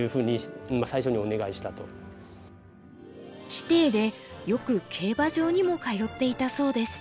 師弟でよく競馬場にも通っていたそうです。